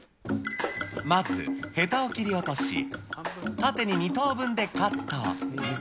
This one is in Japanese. まず、へたを切り落とし、縦に２等分でカット。